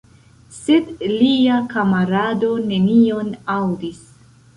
Sed lia kamarado nenion aŭdis.